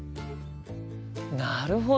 なるほど！